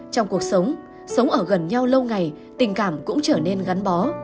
trong cuộc sống sống ở gần nhau lâu ngày tình cảm cũng trở nên gắn bó